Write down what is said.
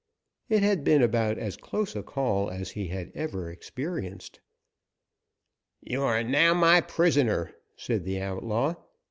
It had been about as close a call as he had ever experienced. "You are now my prisoner," said the outlaw.